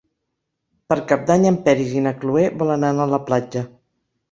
Per Cap d'Any en Peris i na Cloè volen anar a la platja.